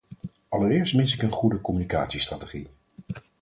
Allereerst mis ik een goede communicatiestrategie.